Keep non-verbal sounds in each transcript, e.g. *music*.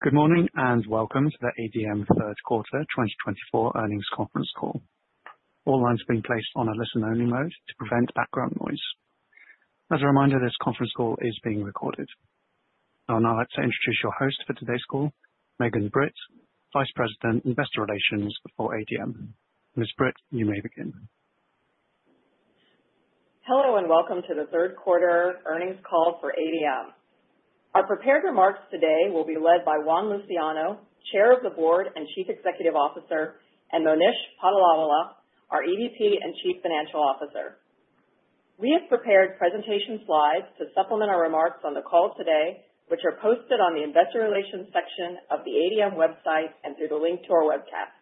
Good morning and welcome to the ADM Third Quarter 2024 Earnings Conference Call. All lines have been placed on a listen-only mode to prevent background noise. As a reminder, this conference call is being recorded. I'll now like to introduce your host for today's call, Megan Britt, Vice President, Investor Relations for ADM. Ms. Britt, you may begin. Hello and welcome to the Third Quarter Earnings call for ADM. Our prepared remarks today will be led by Juan Luciano, Chair of the Board and Chief Executive Officer, and Monish Patolawala, our EVP and Chief Financial Officer. We have prepared presentation slides to supplement our remarks on the call today, which are posted on the Investor Relations section of the ADM website and through the link to our webcast.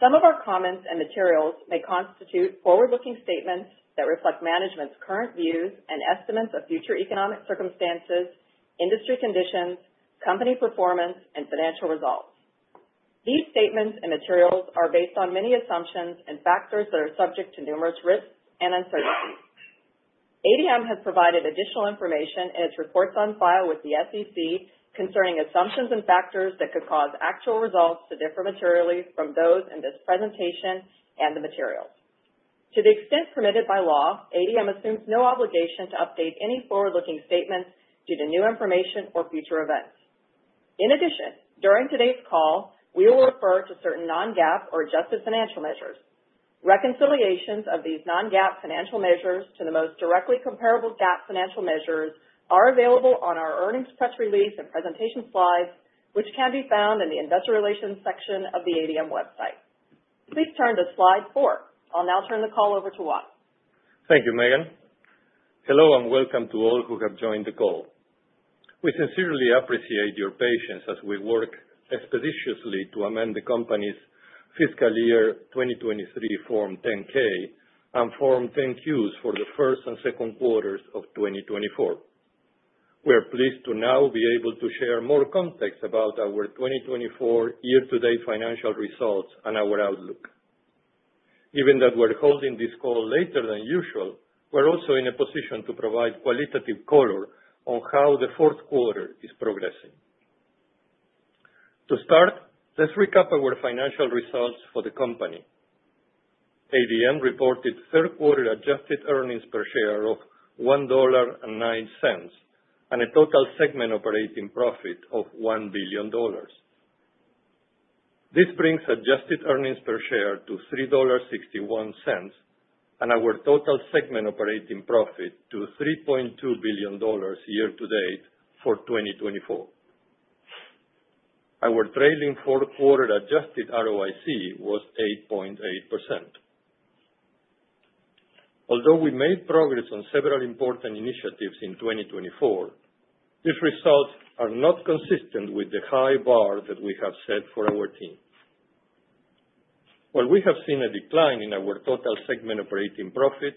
Some of our comments and materials may constitute forward-looking statements that reflect management's current views and estimates of future economic circumstances, industry conditions, company performance, and financial results. These statements and materials are based on many assumptions and factors that are subject to numerous risks and uncertainties. ADM has provided additional information in its reports on file with the SEC concerning assumptions and factors that could cause actual results to differ materially from those in this presentation and the materials. To the extent permitted by law, ADM assumes no obligation to update any forward-looking statements due to new information or future events. In addition, during today's call, we will refer to certain non-GAAP or adjusted financial measures. Reconciliations of these non-GAAP financial measures to the most directly comparable GAAP financial measures are available on our earnings press release and presentation slides, which can be found in the Investor Relations section of the ADM website. Please turn to slide four. I'll now turn the call over to Juan. Thank you, Megan. Hello and welcome to all who have joined the call. We sincerely appreciate your patience as we work expeditiously to amend the company's fiscal year 2023 Form 10-K and Form 10-Qs for the first and second quarters of 2024. We are pleased to now be able to share more context about our 2024 year-to-date financial results and our outlook. Given that we're holding this call later than usual, we're also in a position to provide qualitative color on how the fourth quarter is progressing. To start, let's recap our financial results for the company. ADM reported third-quarter adjusted earnings per share of $1.09 and a total segment operating profit of $1 billion. This brings adjusted earnings per share to $3.61 and our total segment operating profit to $3.2 billion year-to-date for 2024. Our trailing four-quarter adjusted ROIC was 8.8%. Although we made progress on several important initiatives in 2024, these results are not consistent with the high bar that we have set for our team. While we have seen a decline in our total segment operating profit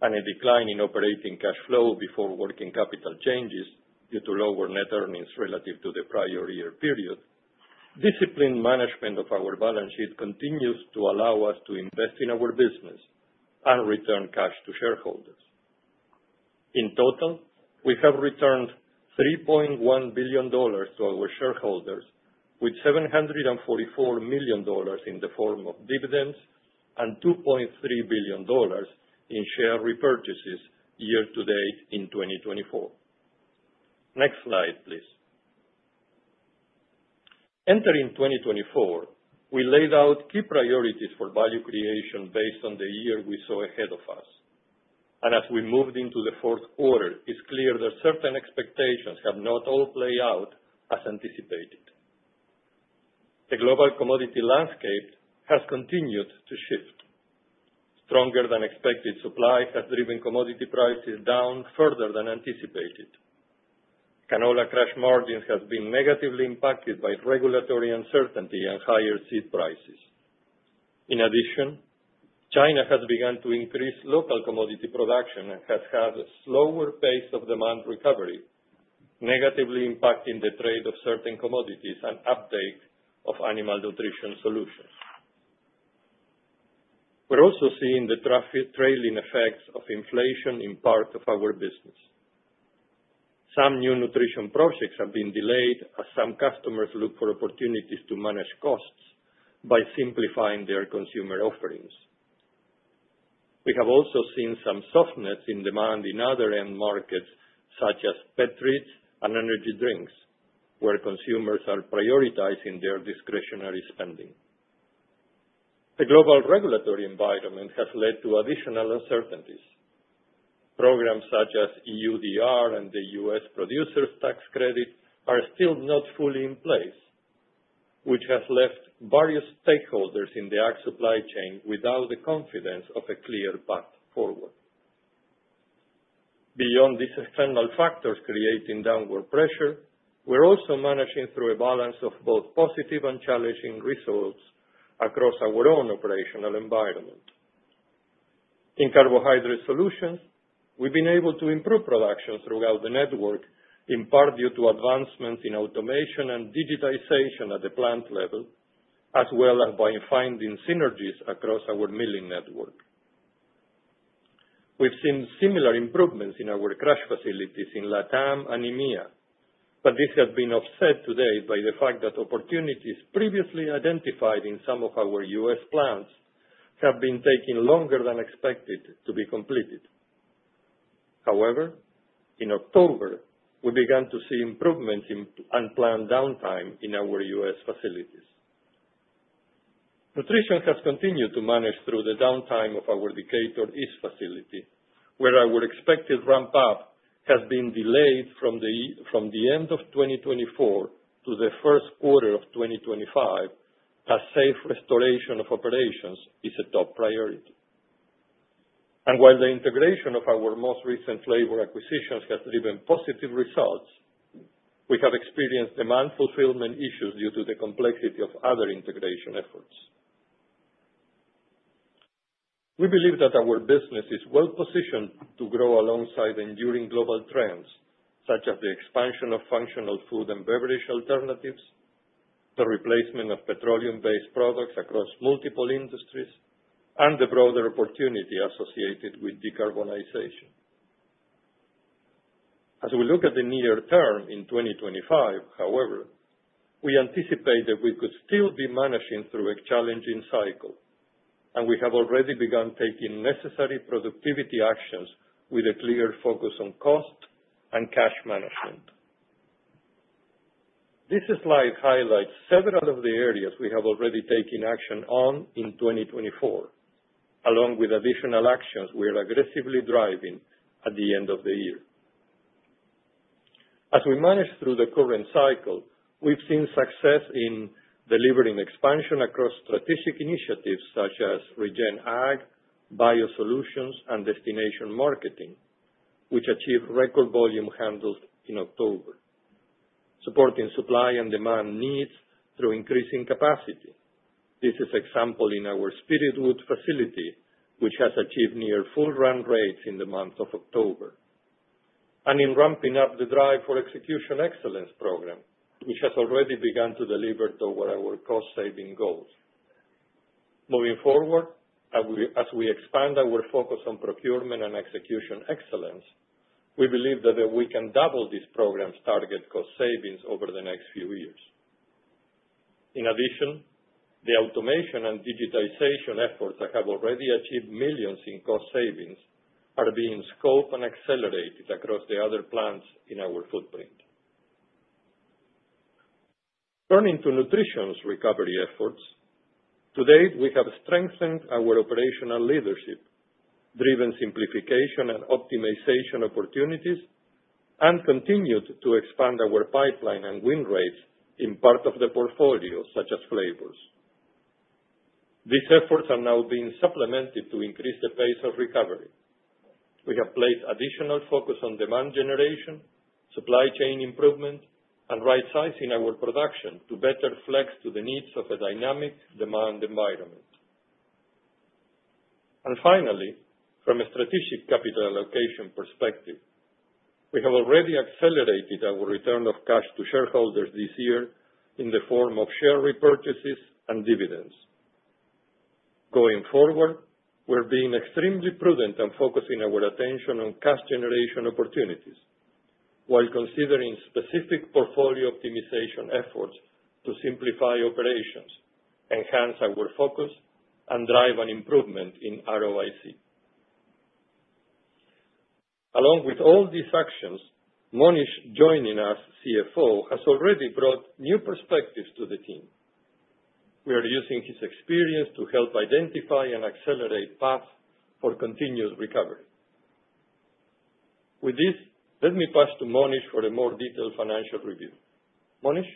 and a decline in operating cash flow before working capital changes due to lower net earnings relative to the prior year period, disciplined management of our balance sheet continues to allow us to invest in our business and return cash to shareholders. In total, we have returned $3.1 billion to our shareholders, with $744 million in the form of dividends and $2.3 billion in share repurchases year-to-date in 2024. Next slide, please. Entering 2024, we laid out key priorities for value creation based on the year we saw ahead of us, and as we moved into the fourth quarter, it's clear that certain expectations have not all played out as anticipated. The global commodity landscape has continued to shift. Stronger-than-expected supply has driven commodity prices down further than anticipated. Canola cash margins have been negatively impacted by regulatory uncertainty and higher seed prices. In addition, China has begun to increase local commodity production and has had a slower pace of demand recovery, negatively impacting the trade of certain commodities and uptake of animal nutrition solutions. We're also seeing the trailing effects of inflation in part of our business. Some new nutrition projects have been delayed as some customers look for opportunities to manage costs by simplifying their consumer offerings. We have also seen some softness in demand in other end markets such as pet treats and energy drinks, where consumers are prioritizing their discretionary spending. The global regulatory environment has led to additional uncertainties. Programs such as EUDR and the U.S. Producer's Tax Credit are still not fully in place, which has left various stakeholders in the ag supply chain without the confidence of a clear path forward. Beyond these external factors creating downward pressure, we're also managing through a balance of both positive and challenging results across our own operational environment. In Carbohydrate Solutions, we've been able to improve production throughout the network, in part due to advancements in automation and digitization at the plant level, as well as by finding synergies across our milling network. We've seen similar improvements in our crush facilities in LATAM and EMEA, but this has been offset today by the fact that opportunities previously identified in some of our U.S. plants have been taking longer than expected to be completed. However, in October, we began to see improvements in unplanned downtime in our U.S. facilities. Nutrition has continued to manage through the downtime of our Decatur East facility, where our expected ramp-up has been delayed from the end of 2024 to the first quarter of 2025, as safe restoration of operations is a top priority. While the integration of our most recent labor acquisitions has driven positive results, we have experienced demand fulfillment issues due to the complexity of other integration efforts. We believe that our business is well-positioned to grow alongside enduring global trends, such as the expansion of functional food and beverage alternatives, the replacement of petroleum-based products across multiple industries, and the broader opportunity associated with decarbonization. As we look at the near term in 2025, however, we anticipate that we could still be managing through a challenging cycle, and we have already begun taking necessary productivity actions with a clear focus on cost and cash management. This slide highlights several of the areas we have already taken action on in 2024, along with additional actions we are aggressively driving at the end of the year. As we manage through the current cycle, we've seen success in delivering expansion across strategic initiatives such as Regen Ag, BioSolutions, and Destination Marketing, which achieved record volume handles in October, supporting supply and demand needs through increasing capacity. This is exemplified in our Spiritwood facility, which has achieved near full run rates in the month of October, and in ramping up the Drive for Execution Excellence program, which has already begun to deliver toward our cost-saving goals. Moving forward, as we expand our focus on procurement and execution excellence, we believe that we can double this program's target cost savings over the next few years. In addition, the automation and digitization efforts that have already achieved millions in cost savings are being scoped and accelerated across the other plants in our footprint. Turning to Nutrition's recovery efforts, to date, we have strengthened our operational leadership, driven simplification and optimization opportunities, and continued to expand our pipeline and win rates in part of the portfolio, such as Flavors. These efforts are now being supplemented to increase the pace of recovery. We have placed additional focus on demand generation, supply chain improvement, and right-sizing our production to better flex to the needs of a dynamic demand environment. And finally, from a strategic capital allocation perspective, we have already accelerated our return of cash to shareholders this year in the form of share repurchases and dividends. Going forward, we're being extremely prudent and focusing our attention on cash generation opportunities, while considering specific portfolio optimization efforts to simplify operations, enhance our focus, and drive an improvement in ROIC. Along with all these actions, Monish, joining us, CFO, has already brought new perspectives to the team. We are using his experience to help identify and accelerate paths for continuous recovery. With this, let me pass to Monish for a more detailed financial review. Monish?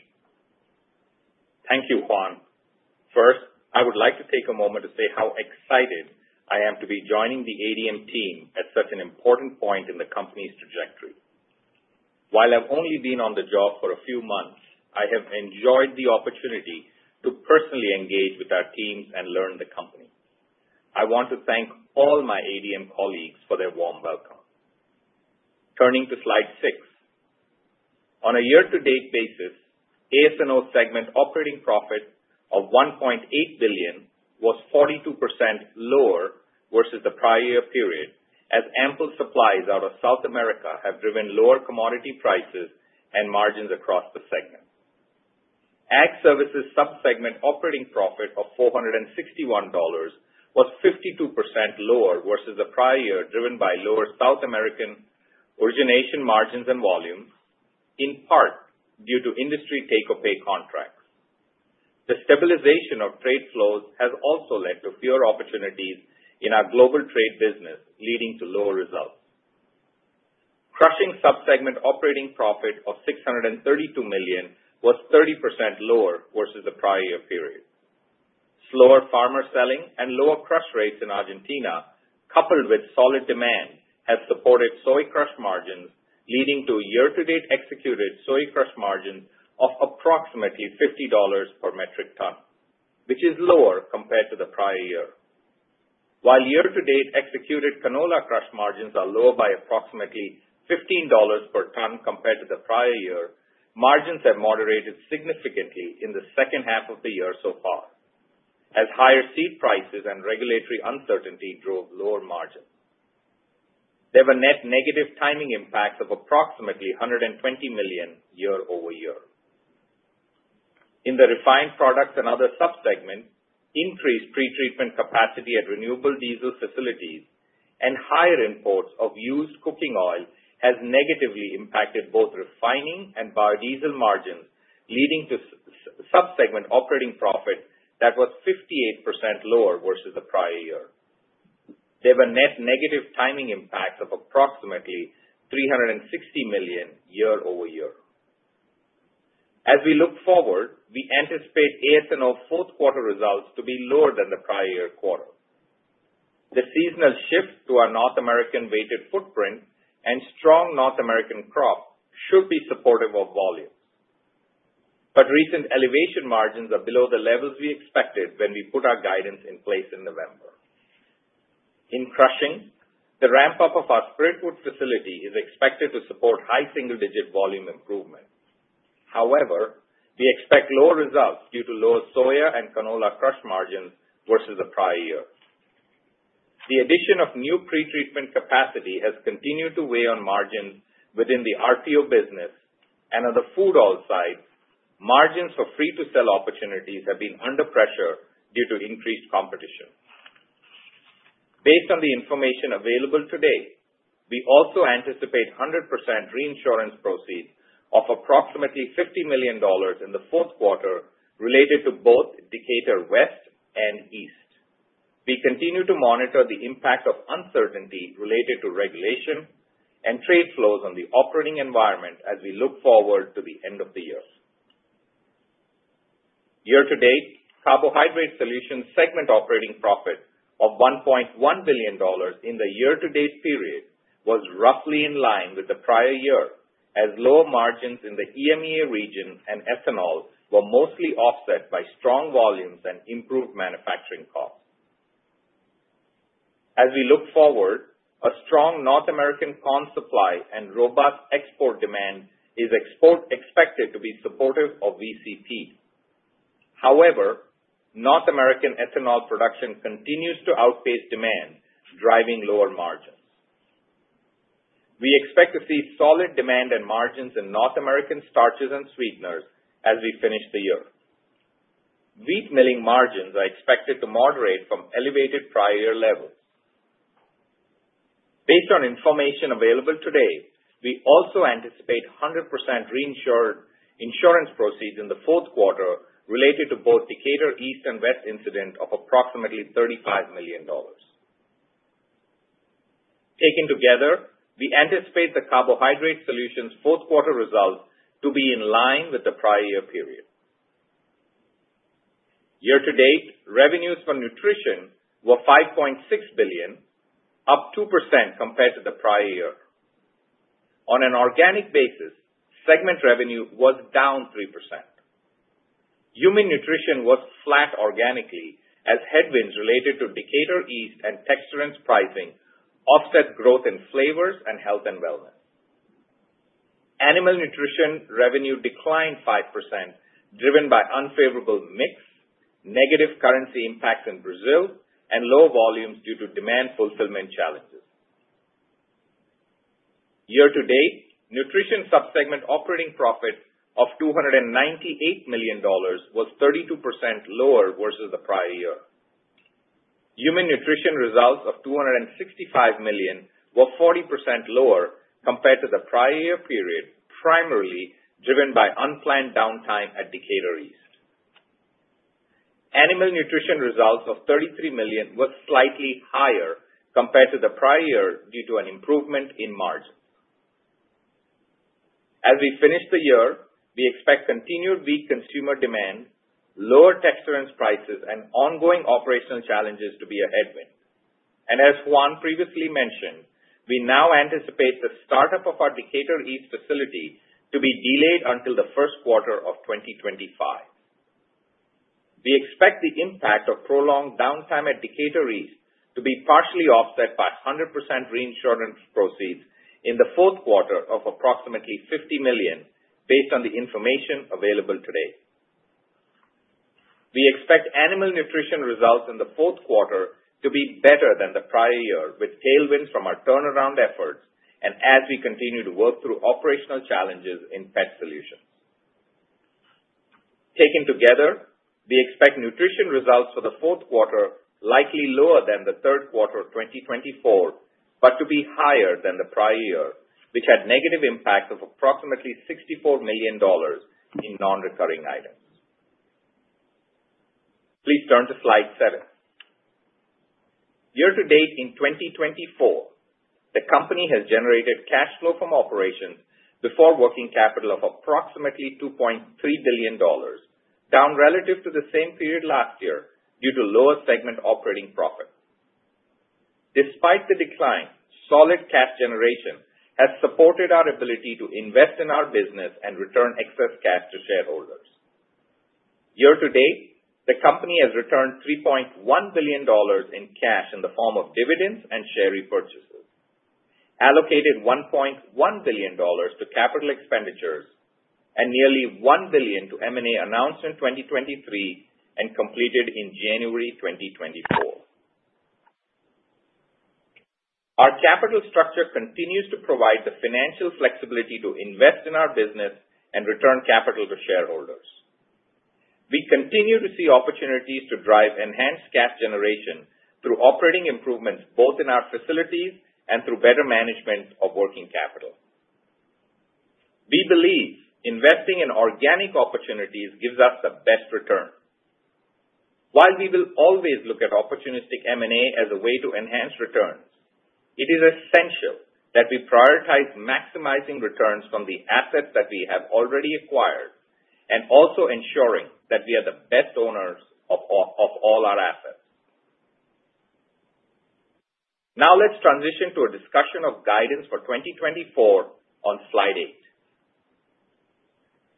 Thank you, Juan. First, I would like to take a moment to say how excited I am to be joining the ADM team at such an important point in the company's trajectory. While I've only been on the job for a few months, I have enjoyed the opportunity to personally engage with our teams and learn the company. I want to thank all my ADM colleagues for their warm welcome. Turning to slide six, on a year-to-date basis, AS&O's segment operating profit of $1.8 billion was 42% lower versus the prior year period, as ample supplies out of South America have driven lower commodity prices and margins across the segment. Ag Services subsegment operating profit of $461 was 52% lower versus the prior year driven by lower South American origination margins and volumes, in part due to industry take-or-pay contracts. The stabilization of trade flows has also led to fewer opportunities in our global trade business, leading to lower results. Crushing subsegment operating profit of $632 million was 30% lower versus the prior year period. Slower farmer selling and lower crush rates in Argentina, coupled with solid demand, have supported soy crush margins, leading to year-to-date executed soy crush margins of approximately $50 per metric ton, which is lower compared to the prior year. While year-to-date executed canola crush margins are lower by approximately $15 per ton compared to the prior year, margins have moderated significantly in the second half of the year so far, as higher seed prices and regulatory uncertainty drove lower margins. There were net negative timing impacts of approximately $120 million year-over-year. In the refined products and other subsegments, increased pre-treatment capacity at renewable diesel facilities and higher imports of used cooking oil have negatively impacted both refining and biodiesel margins, leading to subsegment operating profit that was 58% lower versus the prior year. There were net negative timing impacts of approximately $360 million year-over-year. As we look forward, we anticipate AS&O's fourth-quarter results to be lower than the prior year quarter. The seasonal shift to our North American-weighted footprint and strong North American crop should be supportive of volumes. But recent elevated margins are below the levels we expected when we put our guidance in place in November. In crushing, the ramp-up of our Spiritwood facility is expected to support high single-digit volume improvement. However, we expect lower results due to lower soy and canola crush margins versus the prior year. The addition of new pre-treatment capacity has continued to weigh on margins within the RPO business, and on the food oil side, margins for free-to-sell opportunities have been under pressure due to increased competition. Based on the information available today, we also anticipate 100% reinsurance proceeds of approximately $50 million in the fourth quarter related to both Decatur West and Decatur East. We continue to monitor the impact of uncertainty related to regulation and trade flows on the operating environment as we look forward to the end of the year. Year-to-date, carbohydrate solutions segment operating profit of $1.1 billion in the year-to-date period was roughly in line with the prior year, as lower margins in the EMEA region and ethanol were mostly offset by strong volumes and improved manufacturing costs. As we look forward, a strong North American corn supply and robust export demand is expected to be supportive of VCP. However, North American ethanol production continues to outpace demand, driving lower margins. We expect to see solid demand and margins in North American starches and sweeteners as we finish the year. Wheat milling margins are expected to moderate from elevated prior year levels. Based on information available today, we also anticipate 100% reinsurance proceeds in the fourth quarter related to both Decatur East and West incidents of approximately $35 million. Taken together, we anticipate the Carbohydrate Solutions fourth-quarter results to be in line with the prior year period. Year-to-date, revenues for Nutrition were $5.6 billion, up 2% compared to the prior year. On an organic basis, segment revenue was down 3%. Human Nutrition was flat organically, as headwinds related to Decatur East and texturants pricing offset growth in Flavors and Health and Wellness. Animal nutrition revenue declined 5%, driven by unfavorable mix, negative currency impacts in Brazil, and low volumes due to demand fulfillment challenges. Year-to-date, nutrition subsegment operating profit of $298 million was 32% lower versus the prior year. Human nutrition results of $265 million were 40% lower compared to the prior year period, primarily driven by unplanned downtime at Decatur East. Animal nutrition results of $33 million were slightly higher compared to the prior year due to an improvement in margins. As we finish the year, we expect continued weak consumer demand, lower texturants prices, and ongoing operational challenges to be a headwind, and as Juan previously mentioned, we now anticipate the startup of our Decatur East facility to be delayed until the first quarter of 2025. We expect the impact of prolonged downtime at Decatur East to be partially offset by 100% reinsurance proceeds in the fourth quarter of approximately $50 million, based on the information available today. We expect Animal Nutrition results in the fourth quarter to be better than the prior year, with tailwinds from our turnaround efforts and as we continue to work through operational challenges in pet solutions. Taken together, we expect Nutrition results for the fourth quarter likely lower than the third quarter of 2024, but to be higher than the prior year, which had negative impacts of approximately $64 million in non-recurring items. Please turn to slide seven. Year-to-date in 2024, the company has generated cash flow from operations before working capital of approximately $2.3 billion, down relative to the same period last year due to lower segment operating profit. Despite the decline, solid cash generation has supported our ability to invest in our business and return excess cash to shareholders. Year-to-date, the company has returned $3.1 billion in cash in the form of dividends and share repurchases, allocated $1.1 billion to capital expenditures and nearly $1 billion to M&A announced in 2023 and completed in January 2024. Our capital structure continues to provide the financial flexibility to invest in our business and return capital to shareholders. We continue to see opportunities to drive enhanced cash generation through operating improvements both in our facilities and through better management of working capital. We believe investing in organic opportunities gives us the best return. While we will always look at opportunistic M&A as a way to enhance returns, it is essential that we prioritize maximizing returns from the assets that we have already acquired and also ensuring that we are the best owners of all our assets. Now let's transition to a discussion of guidance for 2024 on slide eight.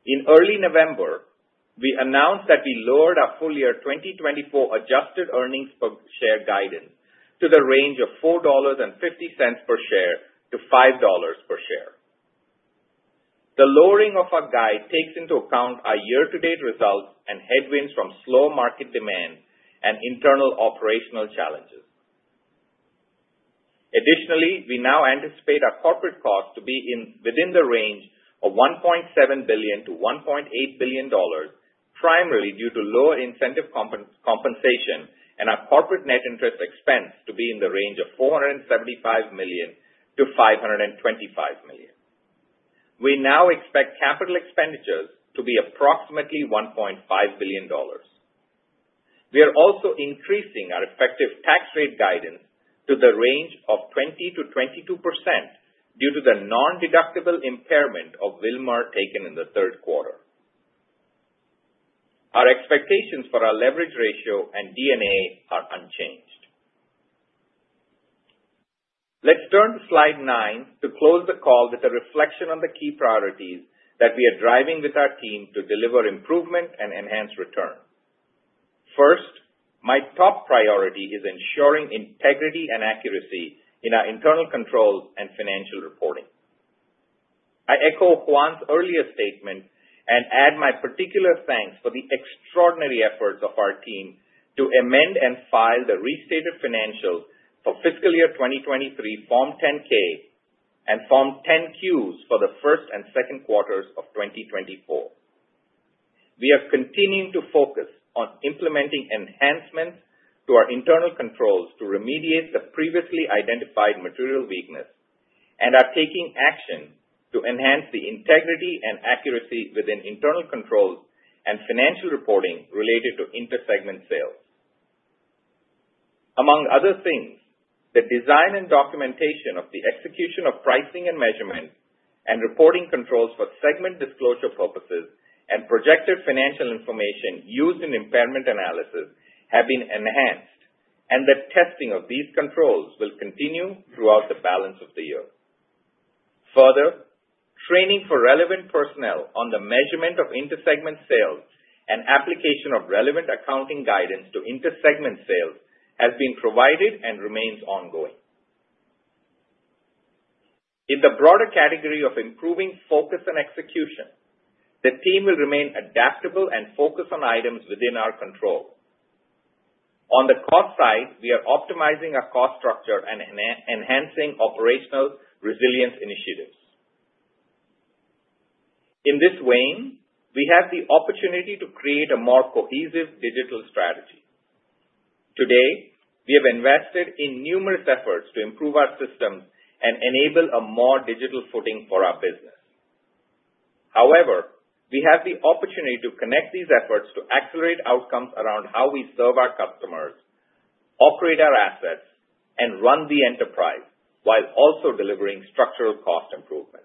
In early November, we announced that we lowered our full year 2024 adjusted earnings per share guidance to the range of $4.50-$5 per share. The lowering of our guide takes into account our year-to-date results and headwinds from slow market demand and internal operational challenges. Additionally, we now anticipate our corporate cost to be within the range of $1.7 million-$1.8 billion, primarily due to lower incentive compensation and our corporate net interest expense to be in the range of $475 million-$525 million. We now expect capital expenditures to be approximately $1.5 billion. We are also increasing our effective tax rate guidance to the range of 20%-22% due to the non-deductible impairment of Wilmar taken in the third quarter. Our expectations for our leverage ratio and D&A are unchanged. Let's turn to slide nine to close the call with a reflection on the key priorities that we are driving with our team to deliver improvement and enhanced return. First, my top priority is ensuring integrity and accuracy in our internal controls and financial reporting. I echo Juan's earlier statement and add my particular thanks for the extraordinary efforts of our team to amend and file the restated financials for fiscal year 2023, Form 10-K and Form 10-Qs for the first and second quarters of 2024. We are continuing to focus on implementing enhancements to our internal controls to remediate the previously identified material weakness and are taking action to enhance the integrity and accuracy within internal controls and financial reporting related to inter-segment sales. Among other things, the design and documentation of the execution of pricing and measurement and reporting controls for segment disclosure purposes and projected financial information used in impairment analysis have been enhanced, and the testing of these controls will continue throughout the balance of the year. Further, training for relevant personnel on the measurement of inter-segment sales and application of relevant accounting guidance to inter-segment sales has been provided and remains ongoing. In the broader category of improving focus and execution, the team will remain adaptable and focus on items within our control. On the cost side, we are optimizing our cost structure and enhancing operational resilience initiatives. In this vein, we have the opportunity to create a more cohesive digital strategy. Today, we have invested in numerous efforts to improve our systems and enable a more digital footing for our business. However, we have the opportunity to connect these efforts to accelerate outcomes around how we serve our customers, operate our assets, and run the enterprise while also delivering structural cost improvement.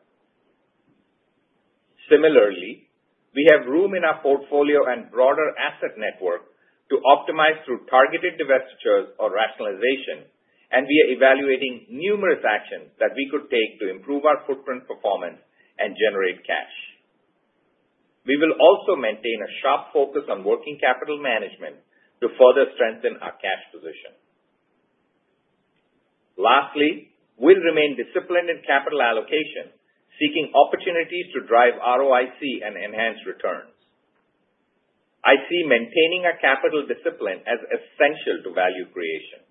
Similarly, we have room in our portfolio and broader asset network to optimize through targeted divestitures or rationalization, and we are evaluating numerous actions that we could take to improve our footprint performance and generate cash. We will also maintain a sharp focus on working capital management to further strengthen our cash position. Lastly, we'll remain disciplined in capital allocation, seeking opportunities to drive ROIC and enhanced returns. I see maintaining our capital discipline as essential to value creation.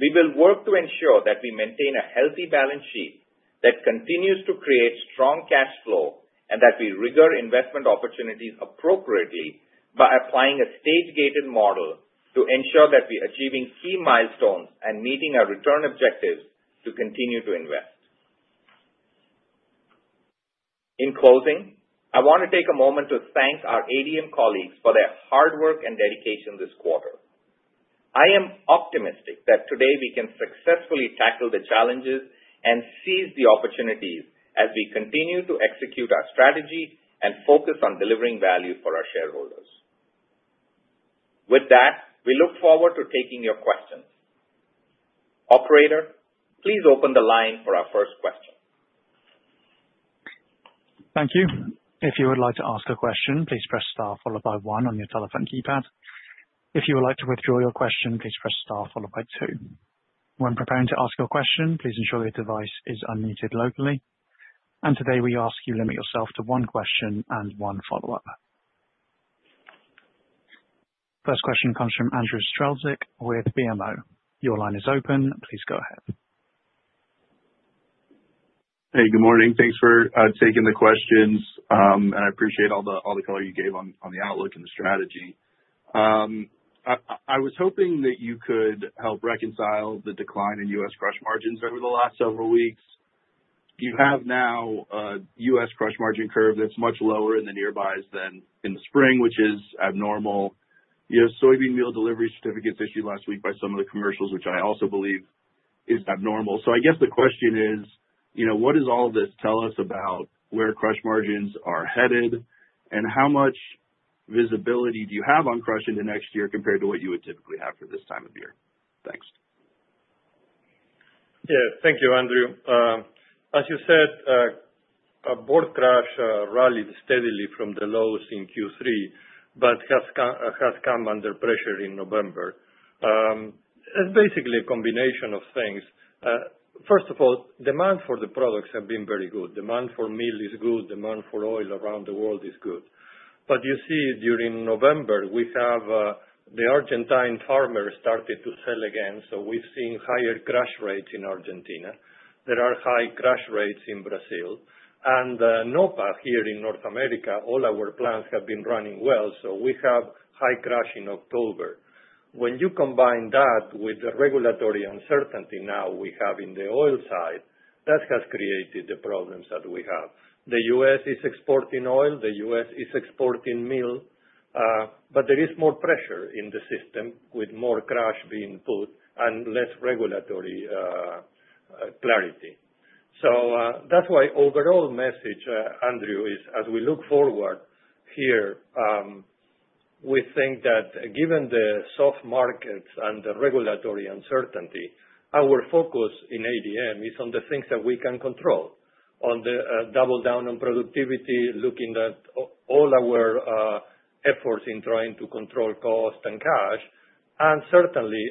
We will work to ensure that we maintain a healthy balance sheet that continues to create strong cash flow and that we rigorously evaluate investment opportunities appropriately by applying a stage-gated model to ensure that we are achieving key milestones and meeting our return objectives to continue to invest. In closing, I want to take a moment to thank our ADM colleagues for their hard work and dedication this quarter. I am optimistic that today we can successfully tackle the challenges and seize the opportunities as we continue to execute our strategy and focus on delivering value for our shareholders. With that, we look forward to taking your questions. Operator, please open the line for our first question. Thank you. If you would like to ask a question, please press star followed by one on your telephone keypad. If you would like to withdraw your question, please press star followed by two. When preparing to ask your question, please ensure your device is unmuted locally. Today we ask you limit yourself to one question and one follow-up. First question comes from Andrew Strelzik with BMO. Your line is open. Please go ahead. Hey, good morning. Thanks for taking the questions. I appreciate all the color you gave on the outlook and the strategy. I was hoping that you could help reconcile the decline in U.S. crush margins over the last several weeks. You have now a U.S. crush margin curve that's much lower in the nearby than in the spring, which is abnormal. You have soybean meal delivery certificates issued last week by some of the commercials, which I also believe is abnormal. So I guess the question is, what does all of this tell us about where crush margins are headed, and how much visibility do you have on crush in the next year compared to what you would typically have for this time of year? Thanks. Yeah, thank you, Andrew. As you said, soybean crush rallied steadily from the lows in Q3, but has come under pressure in November. It's basically a combination of things. First of all, demand for the products has been very good. Demand for meal is good. Demand for oil around the world is good. But you see, during November, the Argentine farmer started to sell again. So we've seen higher crush rates in Argentina. There are high crush rates in Brazil. And NOPA here in North America, all our plants have been running well. So we have high crush in October. When you combine that with the regulatory uncertainty now we have in the oil side, that has created the problems that we have. The U.S. is exporting oil. The U.S. is exporting meal. But there is more pressure in the system with more crush being put and less regulatory clarity. So that's the overall message, Andrew, is as we look forward here, we think that given the soft markets and the regulatory uncertainty, our focus in ADM is on the things that we can control, doubling down on productivity, looking at all our efforts in trying to control cost and cash, and certainly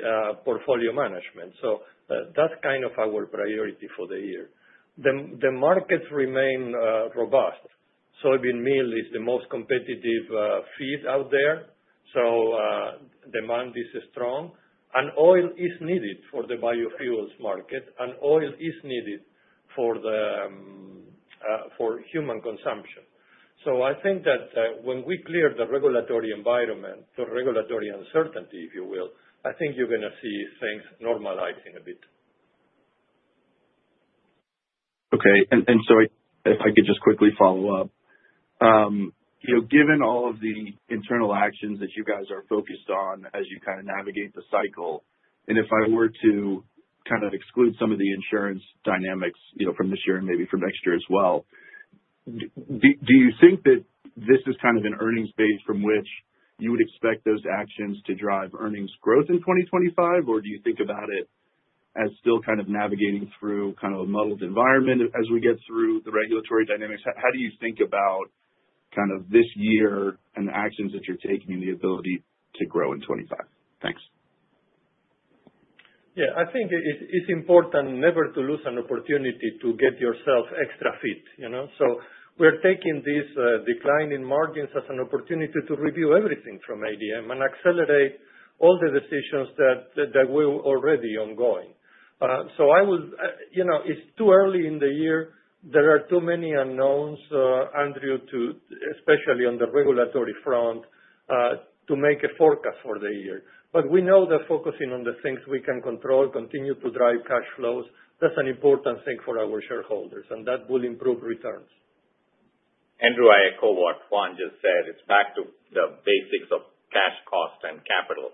portfolio management. So that's kind of our priority for the year. The markets remain robust. Soybean meal is the most competitive feed out there. So demand is strong. And oil is needed for the biofuels market. And oil is needed for human consumption. So I think that when we clear the regulatory environment, the regulatory uncertainty, if you will, I think you're going to see things normalizing a bit. Okay. And so if I could just quickly follow up, given all of the internal actions that you guys are focused on as you kind of navigate the cycle, and if I were to kind of exclude some of the insurance dynamics from this year and maybe from next year as well, do you think that this is kind of an earnings base from which you would expect those actions to drive earnings growth in 2025? Or do you think about it as still kind of navigating through kind of a muddled environment as we get through the regulatory dynamics? How do you think about kind of this year and the actions that you're taking and the ability to grow in 2025? Thanks. Yeah, I think it's important never to lose an opportunity to get yourself extra credit, so we're taking this decline in margins as an opportunity to review everything from ADM and accelerate all the decisions that were already ongoing, so it's too early in the year. There are too many unknowns, Andrew, especially on the regulatory front, to make a forecast for the year. But we know that focusing on the things we can control continues to drive cash flows. That's an important thing for our shareholders, and that will improve returns. Andrew, I echo what Juan just said. It's back to the basics of cash, cost, and capital,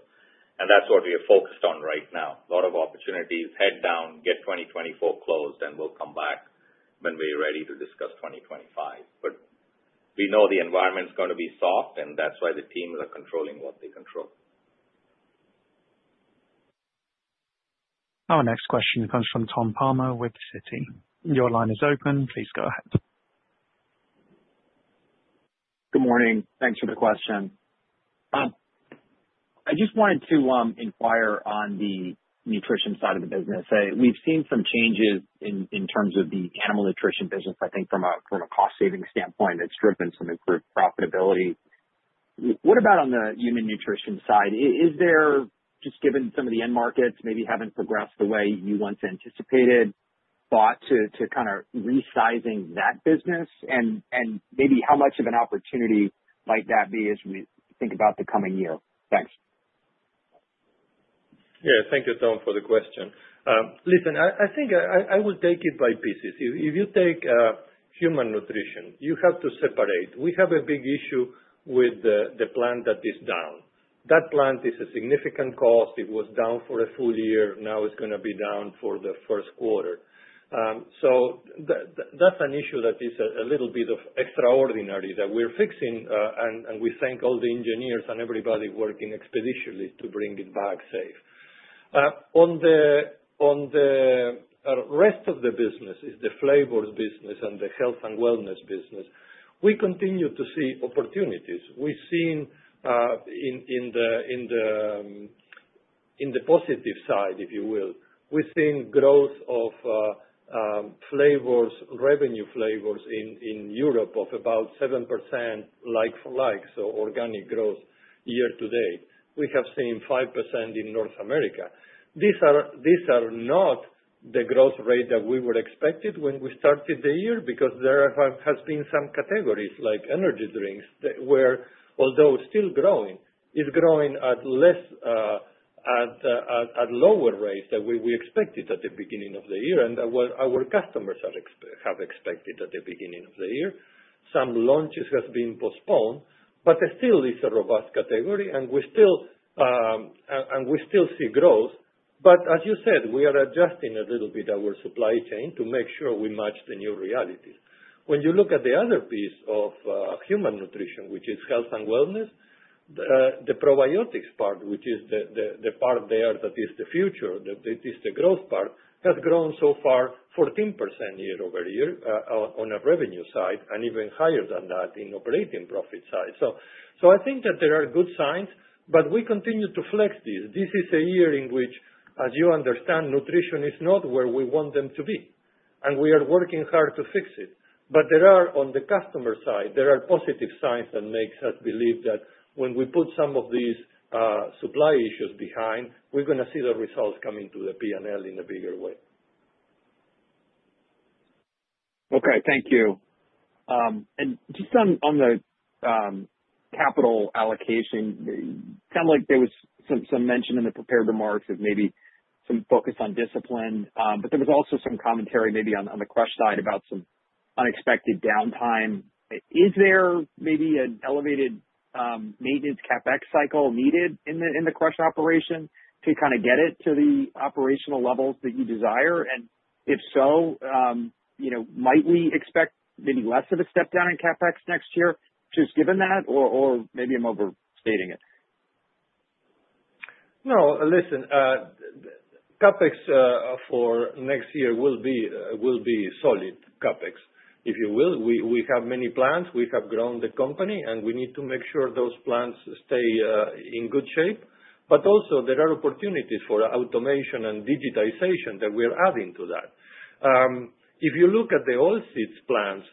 and that's what we are focused on right now. A lot of opportunities, head down, get 2024 closed, and we'll come back when we're ready to discuss 2025. But we know the environment's going to be soft, and that's why the teams are controlling what they control. Our next question comes from Tom Palmer with Citi. Your line is open. Please go ahead. Good morning. Thanks for the question. I just wanted to inquire on the nutrition side of the business. We've seen some changes in terms of the animal nutrition business, I think, from a cost-saving standpoint. It's driven some improved profitability. What about on the human nutrition side? Is there, just given some of the end markets maybe haven't progressed the way you once anticipated, thought to kind of resizing that business? And maybe how much of an opportunity might that be as we think about the coming year? Thanks. Yeah, thank you, Tom, for the question. Listen, I think I will take it by pieces. If you take human nutrition, you have to separate. We have a big issue with the plant that is down. That plant is a significant cost. It was down for a full year. Now it's going to be down for the first quarter. So that's an issue that is a little bit extraordinary that we're fixing. And we thank all the engineers and everybody working expeditiously to bring it back safe. On the rest of the business, it's the flavors business and the health and wellness business. We continue to see opportunities. We've seen in the positive side, if you will, we've seen growth of flavors, revenue flavors in Europe of about 7% like-for-like, so organic growth year to date. We have seen 5% in North America. These are not the growth rate that we were expected when we started the year because there have been some categories like energy drinks where, although still growing, it's growing at lower rates than we expected at the beginning of the year and our customers have expected at the beginning of the year. Some launches have been postponed, but it still is a robust category, and we still see growth. But as you said, we are adjusting a little bit our supply chain to make sure we match the new realities. When you look at the other piece of human nutrition, which is health and wellness, the probiotics part, which is the part there that is the future, that is the growth part, has grown so far 14% year over year on a revenue side and even higher than that in operating profit side. So I think that there are good signs, but we continue to flex this. This is a year in which, as you understand, nutrition is not where we want them to be. And we are working hard to fix it. But on the customer side, there are positive signs that make us believe that when we put some of these supply issues behind, we're going to see the results coming to the P&L in a bigger way. Okay, thank you. And just on the capital allocation, it sounded like there was some mention in the prepared remarks of maybe some focus on discipline. But there was also some commentary maybe on the crush side about some unexpected downtime. Is there maybe an elevated maintenance CapEx cycle needed in the crush operation to kind of get it to the operational levels that you desire? And if so, might we expect maybe less of a step down in CapEx next year just given that, or maybe I'm overstating it? No, listen. CapEx for next year will be solid CapEx, if you will. We have many plants. We have grown the company, and we need to make sure those plants stay in good shape. But also, there are opportunities for automation and digitization that we are adding to that. If you look at the oilseeds plants,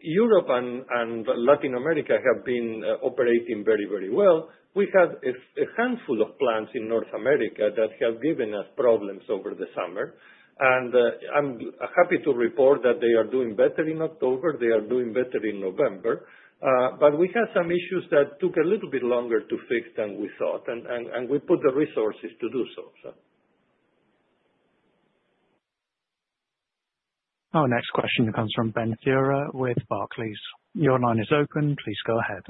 Europe and Latin America have been operating very, very well. We had a handful of plants in North America that have given us problems over the summer. And I'm happy to report that they are doing better in October. They are doing better in November. But we have some issues that took a little bit longer to fix than we thought. And we put the resources to do so. Our next question comes from Ben Theurer with Barclays. Your line is open. Please go ahead.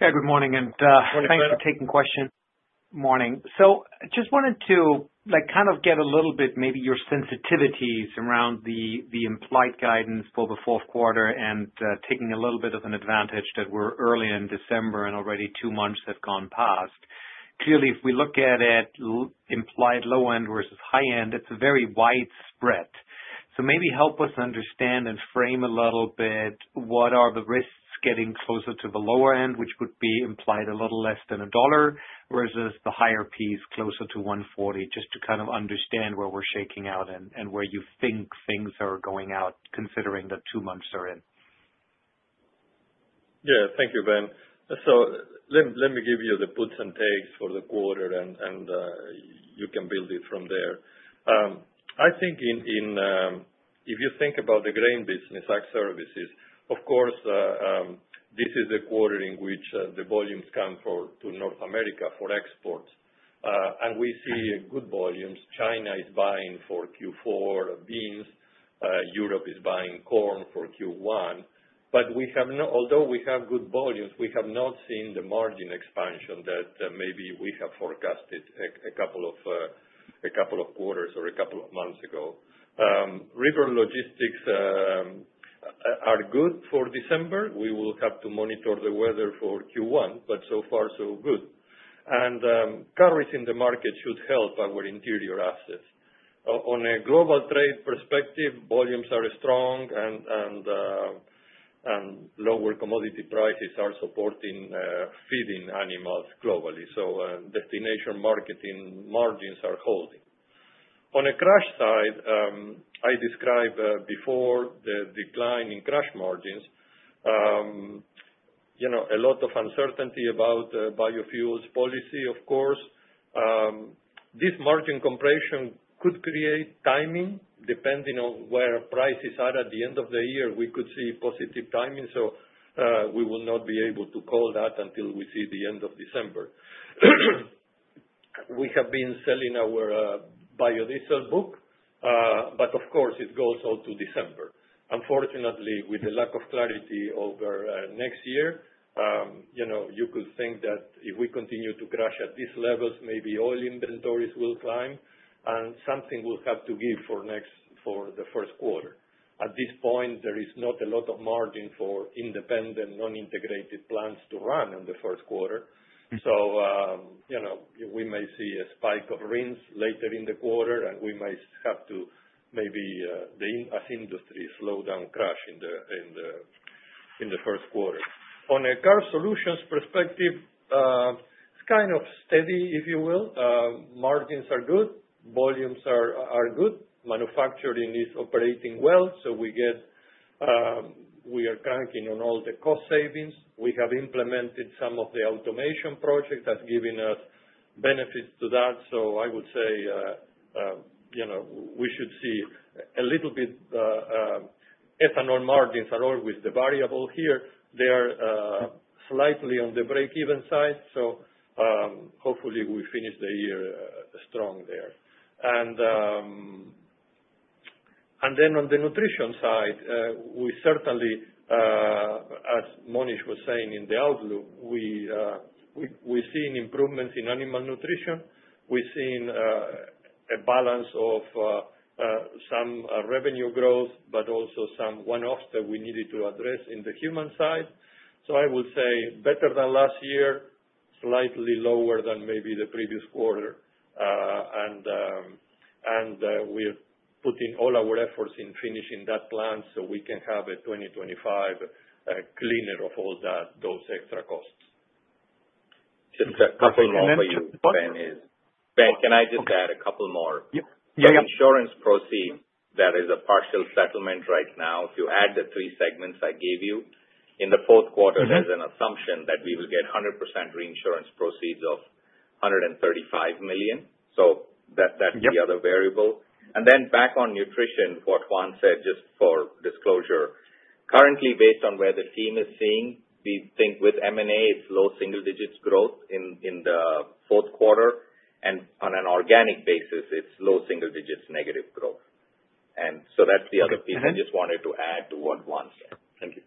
Yeah, good morning. And thanks for taking the question. Morning. So just wanted to kind of get a little bit maybe your sensitivities around the implied guidance for the fourth quarter and taking a little bit of an advantage that we're early in December and already two months have gone past. Clearly, if we look at it implied low end versus high end, it's very widespread. So maybe help us understand and frame a little bit what are the risks getting closer to the lower end, which would be implied a little less than a dollar versus the higher piece closer to 140, just to kind of understand where we're shaking out and where you think things are going out considering that two months are in. Yeah, thank you, Ben. So let me give you the puts and takes for the quarter, and you can build it from there. I think if you think about the grain business, Ag Services, of course, this is the quarter in which the volumes come to North America for exports. And we see good volumes. China is buying for Q4 beans. Europe is buying corn for Q1. But although we have good volumes, we have not seen the margin expansion that maybe we have forecasted a couple of quarters or a couple of months ago. River logistics are good for December. We will have to monitor the weather for Q1, but so far, so good. And carries in the market should help our interior assets. On a global trade perspective, volumes are strong, and lower commodity prices are supporting feeding animals globally. So destination marketing margins are holding. On a crush side, as I described before, the decline in crush margins [and] a lot of uncertainty about biofuels policy, of course. This margin compression could create timing. Depending on where prices are at the end of the year, we could see positive timing. So we will not be able to call that until we see the end of December. We have been selling our biodiesel book, but of course, it goes all to December. Unfortunately, with the lack of clarity over next year, you could think that if we continue to crush at these levels, maybe oil inventories will climb, and something will have to give for the first quarter. At this point, there is not a lot of margin for independent, non-integrated plants to run in the first quarter. So we may see a spike of RINs later in the quarter, and we might have to maybe, as industry, slow down crush in the first quarter. On a Carbohydrate Solutions perspective, it's kind of steady, if you will. Margins are good. Volumes are good. Manufacturing is operating well. So we are cranking on all the cost savings. We have implemented some of the automation projects that have given us benefits to that. So I would say we should see a little bit. Ethanol margins are always the variable here. They are slightly on the break-even side. So hopefully, we finish the year strong there. And then on the nutrition side, we certainly, as Monish was saying in the outlook, we're seeing improvements in animal nutrition. We're seeing a balance of some revenue growth, but also some one-offs that we needed to address in the human side. So I would say better than last year, slightly lower than maybe the previous quarter. And we're putting all our efforts in finishing that plan so we can have a 2025 cleaner of all those extra costs. Just a couple more for you. Ben is Ben, can I just add a couple more? The insurance proceeds that is a partial settlement right now to add the three segments I gave you. In the fourth quarter, there's an assumption that we will get 100% reinsurance proceeds of $135 million. So that's the other variable. And then back on nutrition, what Juan said, just for disclosure, currently, based on where the team is seeing, we think with M&A, it's low single-digits growth in the fourth quarter. And on an organic basis, it's low single-digits negative growth. And so that's the other piece I just wanted to add to what Juan said. Thank you.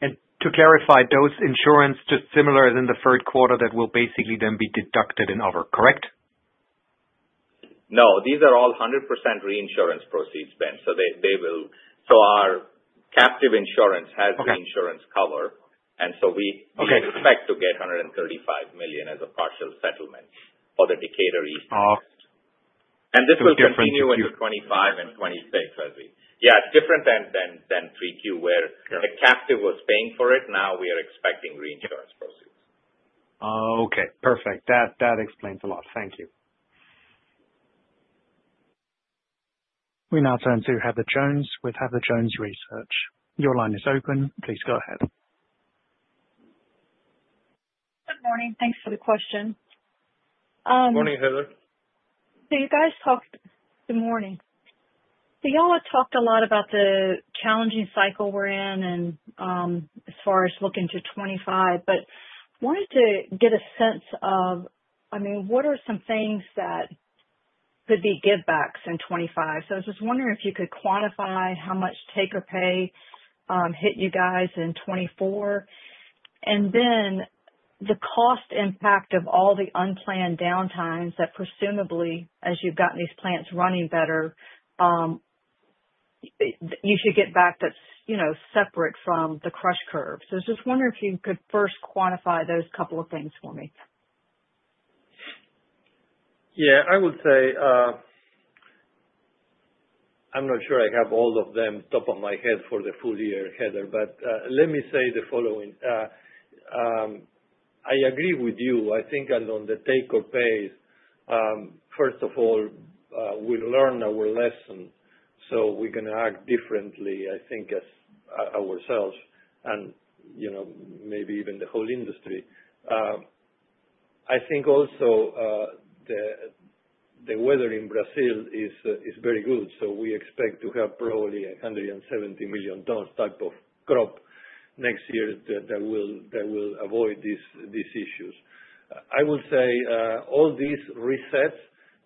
And to clarify, those insurance, just similar as in the third quarter, that will basically then be deducted in other, correct? No, these are all 100% reinsurance proceeds, Ben. So our captive insurance has reinsurance cover. And so we expect to get $135 million as a partial settlement for the Decatur East. And this will continue into 2025 and 2026 as we. Yeah, it's different than pre-Q3 where the captive was paying for it. Now we are expecting reinsurance proceeds. Okay, perfect. That explains a lot. Thank you. We now turn to Heather Jones with Heather Jones Research. Your line is open. Please go ahead. Good morning. Thanks for the question. Morning, Heather. So you guys talked good morning. So you all have talked a lot about the challenging cycle we're in as far as looking to 2025. But I wanted to get a sense of, I mean, what are some things that could be give-backs in 2025? So I was just wondering if you could quantify how much take-or-pay hit you guys in 2024. And then the cost impact of all the unplanned downtimes that presumably, as you've gotten these plants running better, you should get back. That's separate from the crush curve. So I was just wondering if you could first quantify those couple of things for me. Yeah, I would say I'm not sure I have all of them top of my head for the full year, Heather. But let me say the following. I agree with you. I think on the take-or-pay, first of all, we learn our lesson. So we're going to act differently, I think, as ourselves and maybe even the whole industry. I think also the weather in Brazil is very good. So we expect to have probably 170 million tons type of crop next year that will avoid these issues. I will say all these resets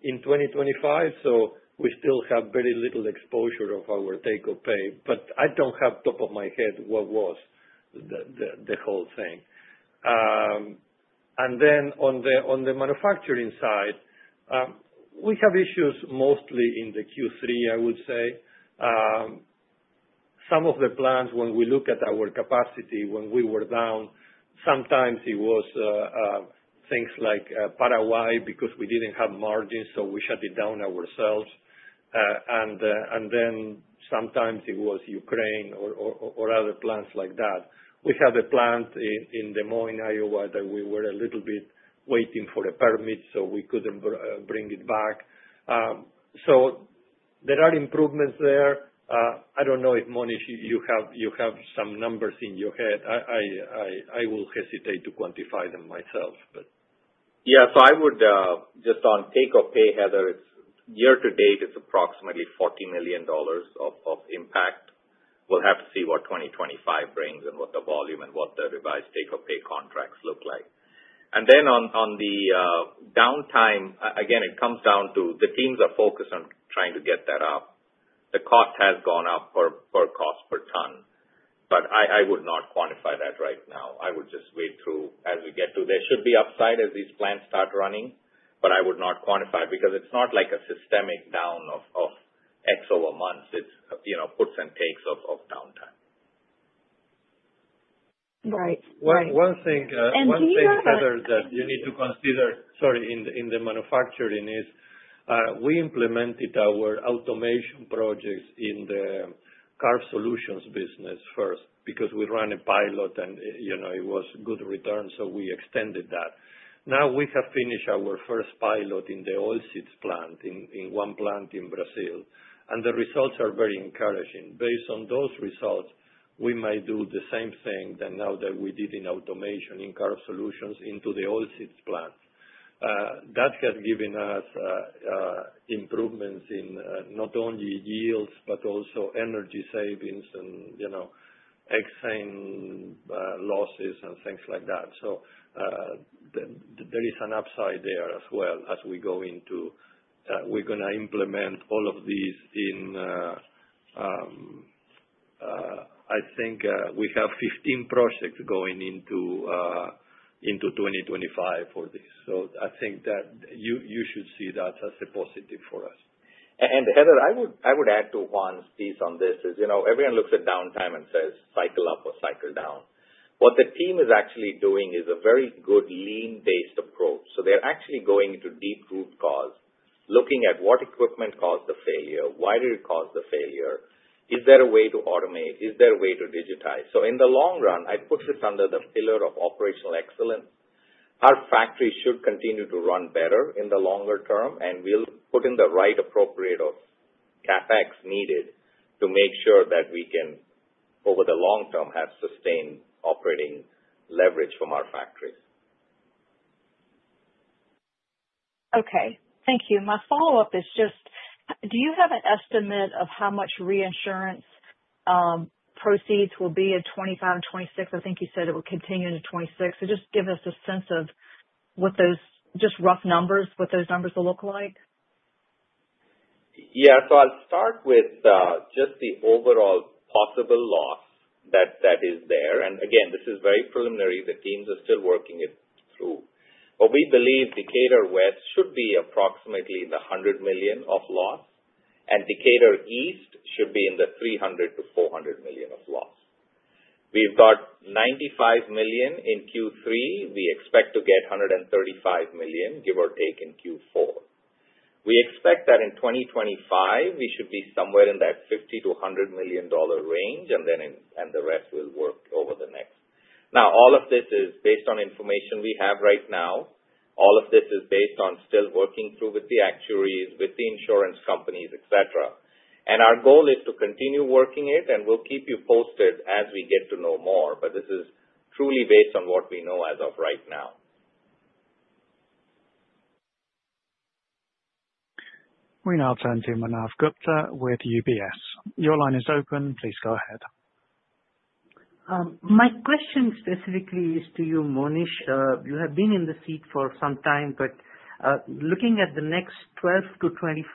in 2025. So we still have very little exposure of our take-or-pay. But I don't have off the top of my head what was the whole thing. And then on the manufacturing side, we have issues mostly in the Q3, I would say. Some of the plants, when we look at our capacity, when we were down, sometimes it was things like Paraguay because we didn't have margins, so we shut it down ourselves. And then sometimes it was Ukraine or other plants like that. We have a plant in Des Moines, Iowa, that we were a little bit waiting for a permit, so we couldn't bring it back. So there are improvements there. I don't know if Monish you have some numbers in your head. I will hesitate to quantify them myself, but. Yeah, so I would just on take-or-pay, Heather, year to date, it's approximately $40 million of impact. We'll have to see what 2025 brings and what the volume and what the revised take-or-pay contracts look like. Then on the downtime, again, it comes down to the teams are focused on trying to get that up. The cost has gone up per cost per ton. But I would not quantify that right now. I would just wait through as we get to there should be upside as these plants start running. But I would not quantify because it's not like a systemic down of X over months. It's puts and takes of downtime. Right. One thing, Monish, *crosstalk* Heather, that you need to consider, sorry, in the manufacturing is we implemented our automation projects in the Carbohydrate Solutions business first because we ran a pilot, and it was good return. So we extended that. Now we have finished our first pilot in the oilseeds plant in one plant in Brazil. And the results are very encouraging. Based on those results, we might do the same thing that now that we did in automation in Carbohydrate Solutions into the oilseeds plant. That has given us improvements in not only yields but also energy savings and hexane losses and things like that. So there is an upside there as well as we go into we're going to implement all of these in I think we have 15 projects going into 2025 for this. So I think that you should see that as a positive for us. Heather, I would add to Juan's piece on this is everyone looks at downtime and says, "Cycle up or cycle down." What the team is actually doing is a very good lean-based approach. So they're actually going to deep root cause, looking at what equipment caused the failure, why did it cause the failure, is there a way to automate, is there a way to digitize. So in the long run, I put this under the pillar of operational excellence. Our factory should continue to run better in the longer term, and we'll put in the right appropriate of CapEx needed to make sure that we can, over the long term, have sustained operating leverage from our factories. Okay. Thank you. My follow-up is just, do you have an estimate of how much reinsurance proceeds will be in 2025 and 2026? I think you said it will continue into 2026. So just give us a sense of what those just rough numbers, what those numbers will look like? Yeah, so I'll start with just the overall possible loss that is there, and again, this is very preliminary. The teams are still working it through, but we believe Decatur West should be approximately $100 million of loss, and Decatur East should be in the $300 million-$400 million of loss. We've got $95 million in Q3. We expect to get $135 million, give or take, in Q4. We expect that in 2025, we should be somewhere in that $50 million-$100 million dollar range, and then the rest will work over the next. Now, all of this is based on information we have right now. All of this is based on still working through with the actuaries, with the insurance companies, etc. Our goal is to continue working it, and we'll keep you posted as we get to know more. This is truly based on what we know as of right now. We now turn to Manav Gupta with UBS. Your line is open. Please go ahead. My question specifically is to you, Monish. You have been in the seat for some time, but looking at the next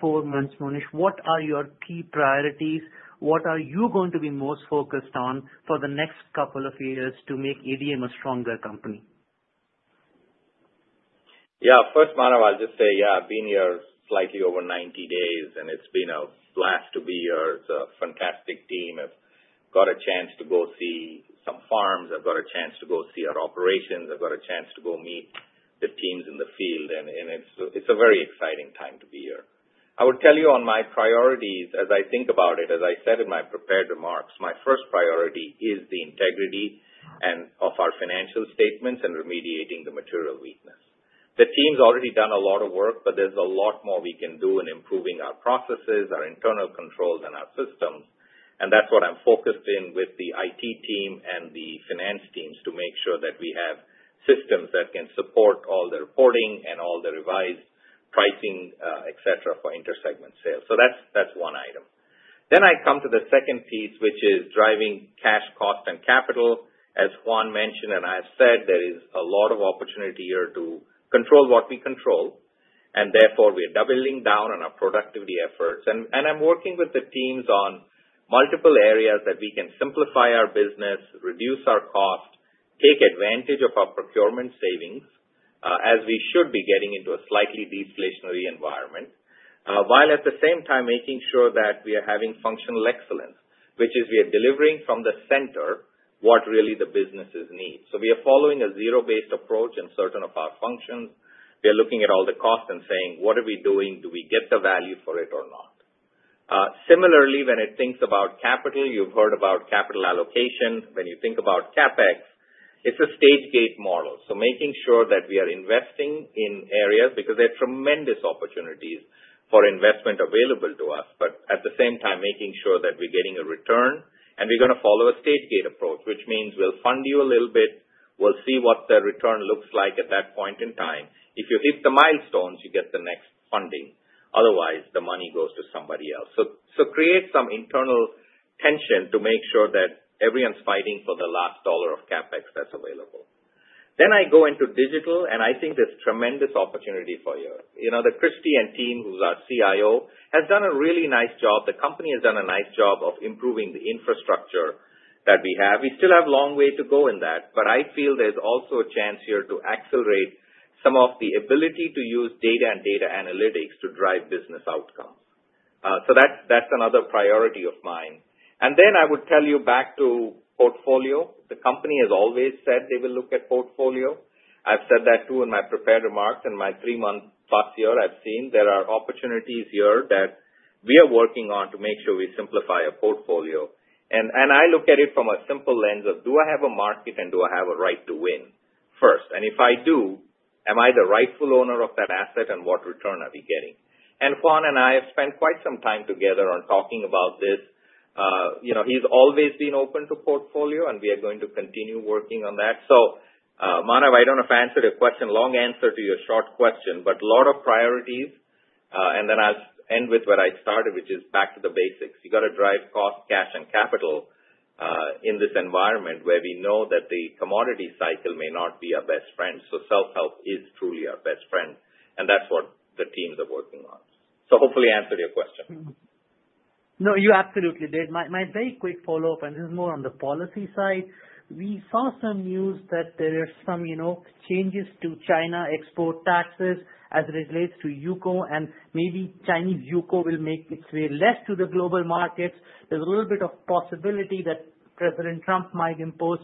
12-24 months, Monish, what are your key priorities? What are you going to be most focused on for the next couple of years to make ADM a stronger company? Yeah. First, Manav, I'll just say, yeah, I've been here slightly over 90 days, and it's been a blast to be here. It's a fantastic team. I've got a chance to go see some farms. I've got a chance to go see our operations. I've got a chance to go meet the teams in the field. It's a very exciting time to be here. I would tell you on my priorities, as I think about it, as I said in my prepared remarks, my first priority is the integrity of our financial statements and remediating the material weakness. The team's already done a lot of work, but there's a lot more we can do in improving our processes, our internal controls, and our systems. That's what I'm focused in with the IT team and the finance teams to make sure that we have systems that can support all the reporting and all the revised pricing, etc., for inter-segment sales. That's one item. Then I come to the second piece, which is driving cash, cost, and capital. As Juan mentioned and I have said, there is a lot of opportunity here to control what we control. And therefore, we are doubling down on our productivity efforts. And I'm working with the teams on multiple areas that we can simplify our business, reduce our cost, take advantage of our procurement savings, as we should be getting into a slightly deflationary environment, while at the same time making sure that we are having functional excellence, which is we are delivering from the center what really the businesses need. So we are following a zero-based approach in certain of our functions. We are looking at all the costs and saying, "What are we doing? Do we get the value for it or not?" Similarly, when it thinks about capital, you've heard about capital allocation. When you think about CapEx, it's a stage gate model. So making sure that we are investing in areas because there are tremendous opportunities for investment available to us, but at the same time, making sure that we're getting a return. And we're going to follow a stage gate approach, which means we'll fund you a little bit. We'll see what the return looks like at that point in time. If you hit the milestones, you get the next funding. Otherwise, the money goes to somebody else. So create some internal tension to make sure that everyone's fighting for the last dollar of CapEx that's available. Then I go into digital, and I think there's tremendous opportunity for here. Christian team, who's our CIO, has done a really nice job. The company has done a nice job of improving the infrastructure that we have. We still have a long way to go in that. But I feel there's also a chance here to accelerate some of the ability to use data and data analytics to drive business outcomes. So that's another priority of mine. And then I would tell you back to portfolio. The company has always said they will look at portfolio. I've said that too in my prepared remarks. In my three-month plus year, I've seen there are opportunities here that we are working on to make sure we simplify our portfolio. And I look at it from a simple lens of, "Do I have a market, and do I have a right to win first?" And if I do, am I the rightful owner of that asset, and what return are we getting? And Juan and I have spent quite some time together on talking about this. He's always been open to portfolio, and we are going to continue working on that. So Manav, I don't know if I answered your question, long answer to your short question, but a lot of priorities, and then I'll end with where I started, which is back to the basics. You got to drive cost, cash, and capital in this environment where we know that the commodity cycle may not be our best friend, so self-help is truly our best friend, and that's what the teams are working on, so hopefully, I answered your question. No, you absolutely did. My very quick follow-up, and this is more on the policy side. We saw some news that there are some changes to China export taxes as it relates to UCO. And maybe Chinese UCO will make its way less to the global markets. There's a little bit of possibility that President Trump might impose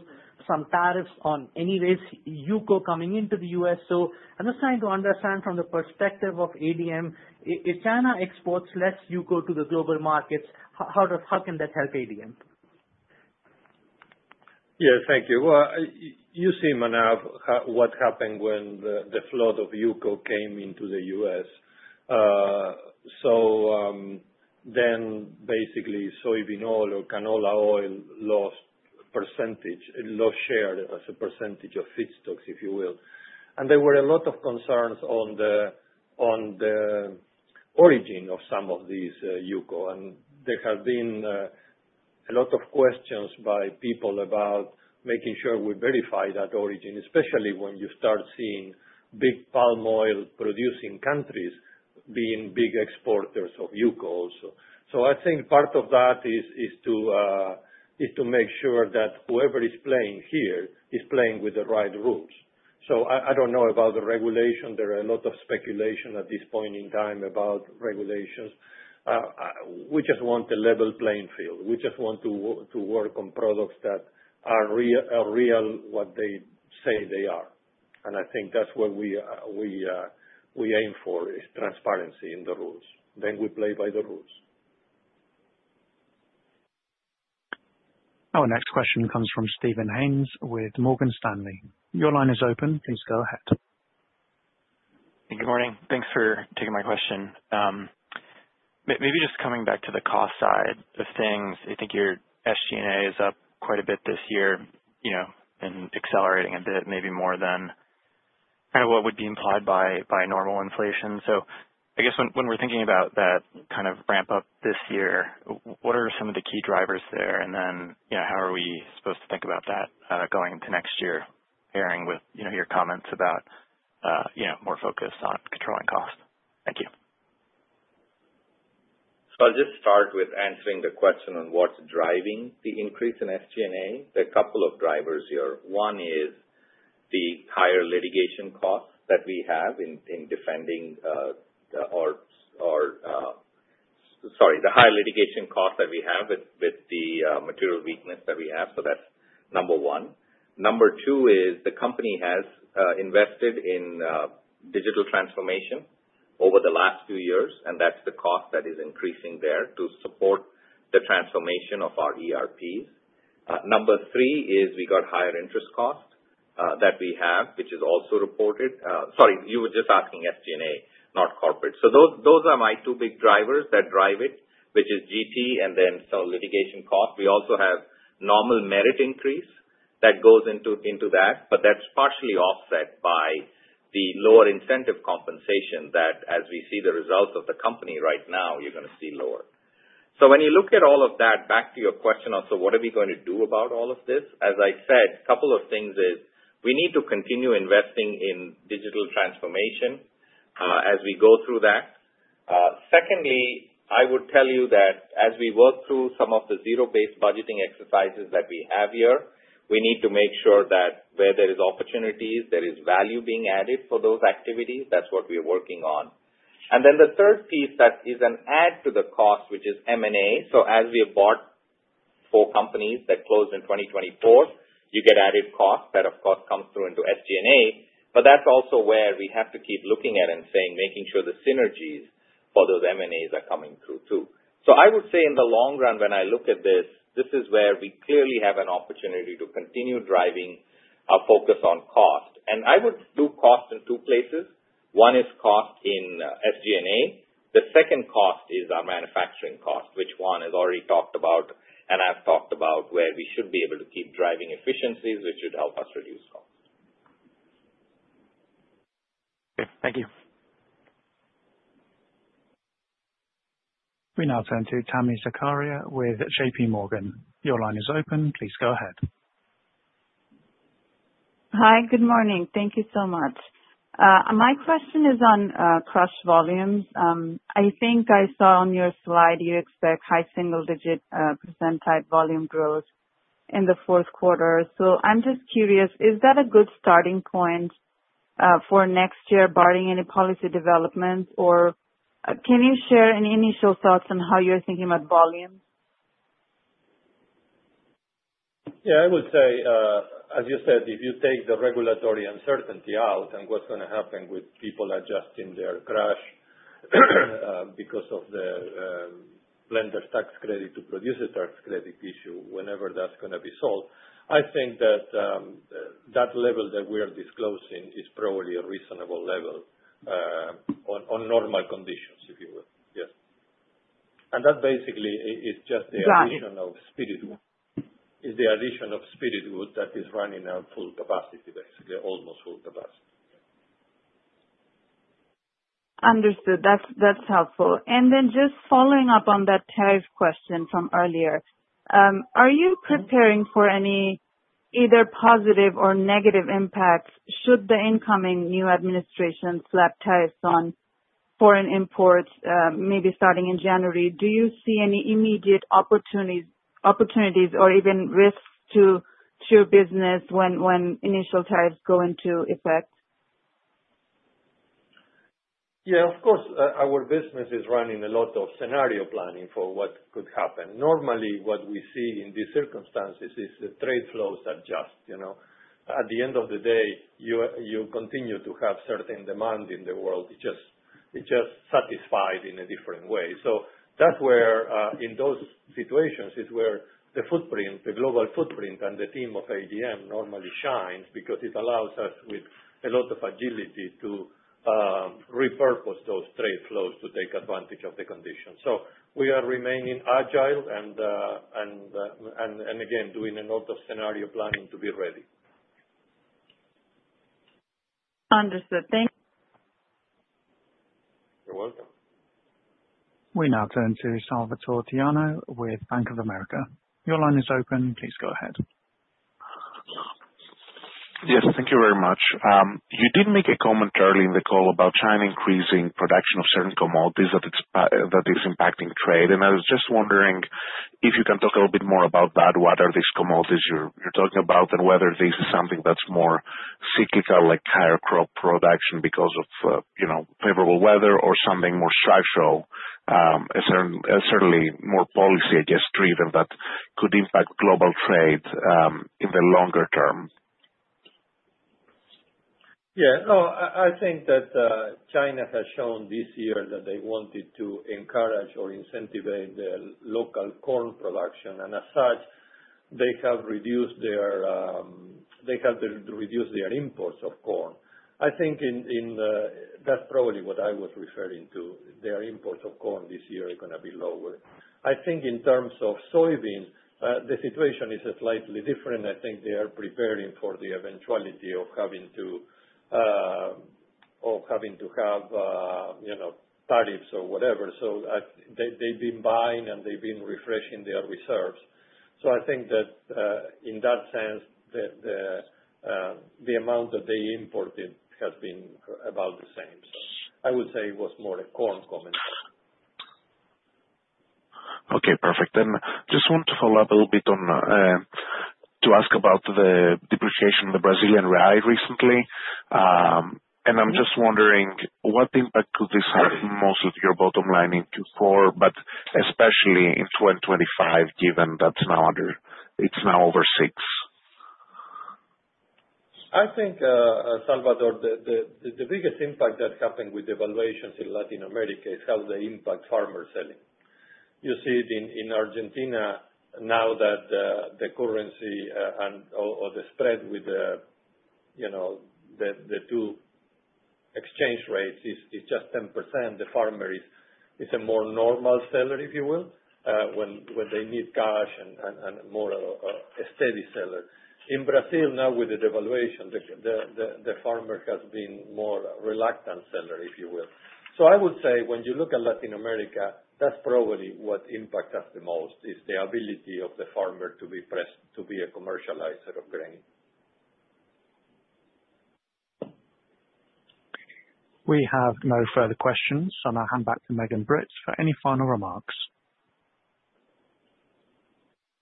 some tariffs on anyways UCO coming into the U.S. So I'm just trying to understand from the perspective of ADM, if China exports less UCO to the global markets, how can that help ADM? Yeah. Thank you. Well, you see, Manav, what happened when the flood of UCO came into the U.S. So then basically, soybean oil or canola oil lost percentage. It lost share as a percentage of feedstocks, if you will. And there were a lot of concerns on the origin of some of these UCO. And there have been a lot of questions by people about making sure we verify that origin, especially when you start seeing big palm oil-producing countries being big exporters of UCO also. I think part of that is to make sure that whoever is playing here is playing with the right rules. I don't know about the regulation. There are a lot of speculation at this point in time about regulations. We just want a level playing field. We just want to work on products that are real what they say they are. I think that's what we aim for is transparency in the rules. Then we play by the rules. Our next question comes from Steven Haynes with Morgan Stanley. Your line is open. Please go ahead. Good morning. Thanks for taking my question. Maybe just coming back to the cost side of things. I think your SG&A is up quite a bit this year and accelerating a bit, maybe more than kind of what would be implied by normal inflation. So I guess when we're thinking about that kind of ramp-up this year, what are some of the key drivers there? And then how are we supposed to think about that going into next year, pairing with your comments about more focus on controlling cost? Thank you. So I'll just start with answering the question on what's driving the increase in SG&A. There are a couple of drivers here. One is the higher litigation costs that we have in defending or, sorry, the high litigation costs that we have with the material weakness that we have. So that's number one. Number two is the company has invested in digital transformation over the last few years, and that's the cost that is increasing there to support the transformation of our ERPs. Number three is we got higher interest costs that we have, which is also reported. Sorry, you were just asking SG&A, not corporate. So those are my two big drivers that drive it, which is DT and then some litigation costs. We also have normal merit increase that goes into that, but that's partially offset by the lower incentive compensation that, as we see the results of the company right now, you're going to see lower. So when you look at all of that, back to your question of, "So what are we going to do about all of this?" As I said, a couple of things is we need to continue investing in digital transformation as we go through that. Secondly, I would tell you that as we work through some of the zero-based budgeting exercises that we have here, we need to make sure that where there are opportunities, there is value being added for those activities. That's what we are working on. And then the third piece that is an add to the cost, which is M&A. So as we have bought four companies that closed in 2024, you get added costs that, of course, come through into SG&A. But that's also where we have to keep looking at and saying, "Making sure the synergies for those M&As are coming through too." So I would say in the long run, when I look at this, this is where we clearly have an opportunity to continue driving our focus on cost. And I would do cost in two places. One is cost in SG&A. The second cost is our manufacturing cost, which Juan has already talked about and I've talked about where we should be able to keep driving efficiencies, which should help us reduce costs. Okay. Thank you. We now turn to Tami Zakaria with JP Morgan. Your line is open. Please go ahead. Hi. Good morning. Thank you so much. My question is on crush volumes. I think I saw on your slide you expect high single-digit % volume growth in the fourth quarter. So I'm just curious, is that a good starting point for next year, barring any policy developments? Or can you share any initial thoughts on how you're thinking about volumes? Yeah. I would say, as you said, if you take the regulatory uncertainty out and what's going to happen with people adjusting their crush because of the Blender's Tax Credit to Producer's Tax Credit issue whenever that's going to be sold, I think that that level that we are disclosing is probably a reasonable level on normal conditions, if you will. Yes. And that basically is just the addition of Spiritwood. It's the addition of Spiritwood that is running at full capacity, basically, almost full capacity. Understood. That's helpful. And then just following up on that tariff question from earlier, are you preparing for any either positive or negative impacts should the incoming new administration slap tariffs on foreign imports maybe starting in January? Do you see any immediate opportunities or even risks to your business when initial tariffs go into effect? Yeah. Of course, our business is running a lot of scenario planning for what could happen. Normally, what we see in these circumstances is the trade flows adjust. At the end of the day, you continue to have certain demand in the world. It's just satisfied in a different way. So that's where in those situations is where the global footprint and the team of ADM normally shines because it allows us with a lot of agility to repurpose those trade flows to take advantage of the conditions. So we are remaining agile and, again, doing a lot of scenario planning to be ready. Understood. Thank you. You're welcome. We now turn to Salvator Tiano with Bank of America. Your line is open. Please go ahead. Yes. Thank you very much. You did make a comment early in the call about China increasing production of certain commodities that is impacting trade And I was just wondering if you can talk a little bit more about that, what are these commodities you're talking about, and whether this is something that's more cyclical like higher crop production because of favorable weather or something more structural, certainly more policy-adjust-driven that could impact global trade in the longer term? Yeah. No, I think that China has shown this year that they wanted to encourage or incentivize the local corn production. And as such, they have reduced their imports of corn. I think that's probably what I was referring to. Their imports of corn this year are going to be lower. I think in terms of soybeans, the situation is slightly different. I think they are preparing for the eventuality of having to have tariffs or whatever. So they've been buying and they've been refreshing their reserves. So I think that in that sense, the amount that they imported has been about the same. So I would say it was more a corn comment. Okay. Perfect. Then I just want to follow up a little bit to ask about the depreciation of the Brazilian real recently. And I'm just wondering what impact could this have on your bottom line in 2024, but especially in 2025, given that it's now over 6? I think, Salvator, the biggest impact that's happened with devaluations in Latin America is how they impact farmer selling. You see it in Argentina now that the currency or the spread with the two exchange rates is just 10%. The farmer is a more normal seller, if you will, when they need cash and more a steady seller. In Brazil now, with the devaluation, the farmer has been more a reluctant seller, if you will. So I would say when you look at Latin America, that's probably what impacts us the most is the ability of the farmer to be a commercializer of grain. We have no further questions. So I'm going to hand back to Megan Britt for any final remarks.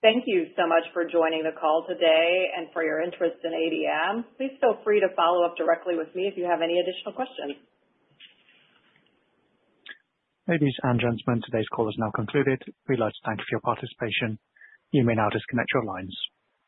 Thank you so much for joining the call today and for your interest in ADM. Please feel free to follow up directly with me if you have any additional questions. Ladies and gentlemen, today's call is now concluded. We'd like to thank you for your participation. You may now disconnect your lines.